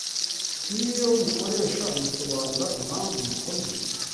nk’iyo mukoresha musobanura impamvu mukomeje